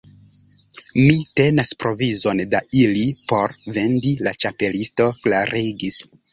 "Mi tenas provizon da ili por vendi," la Ĉapelisto klarigis.